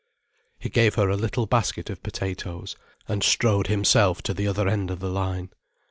He gave her a little basket of potatoes, and strode himself to the other end of the line.